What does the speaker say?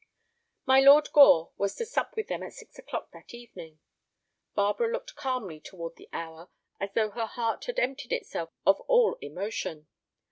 My Lord Gore was to sup with them at six o'clock that evening. Barbara looked calmly toward the hour, as though her heart had emptied itself of all emotion.